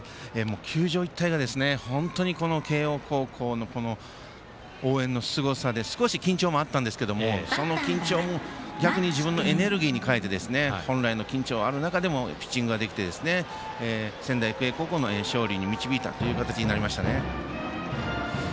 球場一帯が慶応高校の応援のすごさで少し緊張もあったんですけどもその緊張も逆に自分のエネルギーに変えてあの中でも本来のピッチングができて仙台育英高校の勝利に導いたという形になりましたね。